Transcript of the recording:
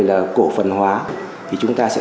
là cổ phần hóa thì chúng ta sẽ